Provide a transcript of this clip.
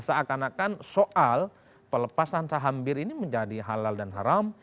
seakan akan soal pelepasan saham bir ini menjadi halal dan haram